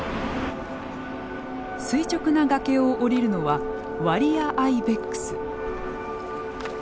垂直な崖を降りるのはワリアアイベックス。